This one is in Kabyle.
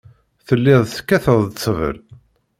Telliḍ tekkateḍ ṭṭbel?